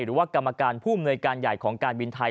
หรือว่ากรรมการผู้อำนวยการใหญ่ของการบินไทย